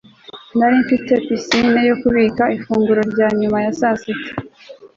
nari mfite pisine yo kubika ifunguro rya nyuma ya saa sita